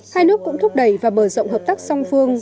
hai nước cũng thúc đẩy và mở rộng hợp tác song phương